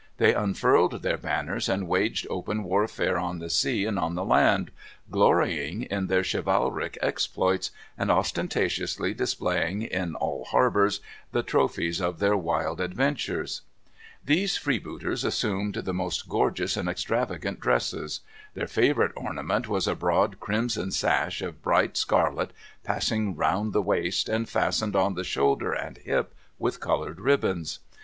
They unfurled their banners and waged open warfare on the sea and on the land, glorying in their chivalric exploits, and ostentatiously displaying, in all harbors, the trophies of their wild adventures. These freebooters assumed the most gorgeous and extravagant dresses. Their favorite ornament was a broad crimson sash, of bright scarlet, passing round the waist, and fastened on the shoulder and hip with colored ribbons.